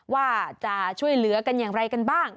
ว่าจะช่วยเหลือกันอย่างไรกันบ้าง